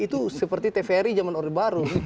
itu seperti tvri zaman orde baru